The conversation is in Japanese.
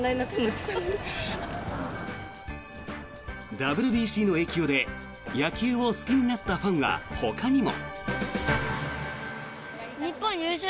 ＷＢＣの影響で野球を好きになったファンはほかにも。